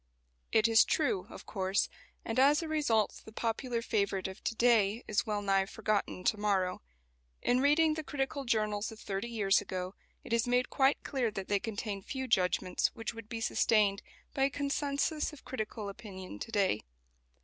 It is true, of course, and as a result the popular favourite of to day is well nigh forgotten to morrow. In reading the critical journals of thirty years ago it is made quite clear that they contain few judgments which would be sustained by a consensus of critical opinion to day.